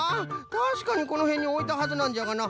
たしかにこのへんにおいたはずなんじゃがな。